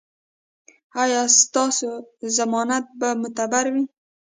ایا ستاسو ضمانت به معتبر وي؟